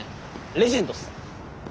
レジェンドっす。